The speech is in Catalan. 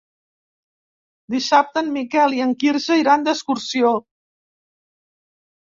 Dissabte en Miquel i en Quirze iran d'excursió.